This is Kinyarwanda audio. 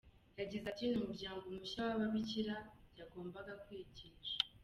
Yagize ati“Ni umuryango mushya w’ababikira yagombaga kwigisha.